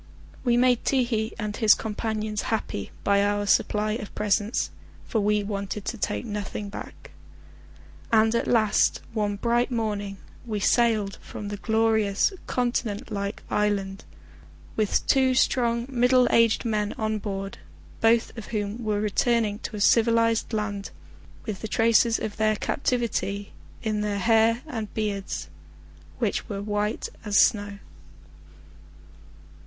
We made Ti hi and his companions happy by our supply of presents, for we wanted to take nothing back, and at last one bright morning we sailed from the glorious continent like island, with two strong middle aged men on board, both of whom were returning to a civilised land with the traces of their captivity in their hair and beards, which were as white as snow.